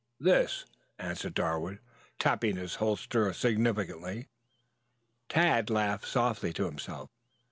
"This," answered Darwood, tapping his holster significantly. Tad laughed softly to himself.